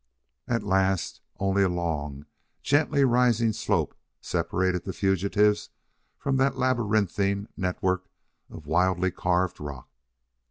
At last only a long, gently rising slope separated the fugitives from that labyrinthine network of wildly carved rock.